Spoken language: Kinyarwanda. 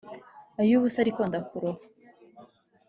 Ay’ubusa ariko ndakuroha